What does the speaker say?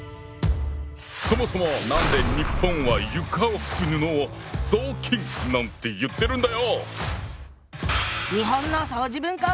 そもそも何で日本は床を拭く布を「雑巾」なんて言ってるんだよ！